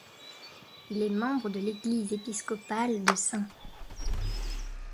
Il est membre de l'Église épiscopale de St.